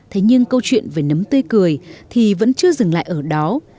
thế nhưng câu chuyện về nấm tươi cười thì vẫn chưa dừng lại ở đó